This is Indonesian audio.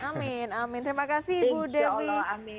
amin amin terima kasih ibu dewi savitri